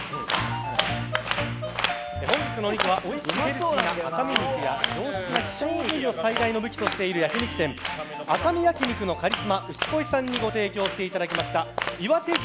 本日のお肉はおいしくヘルシーな赤身肉や上質な希少部位を最大の武器としている焼き肉店赤身焼き肉のカリスマ牛恋さんに提供していただいたいわて牛